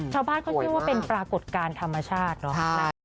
ชาวบ้านเขาเชื่อว่าเป็นปรากฏการณ์ธรรมชาติเนาะ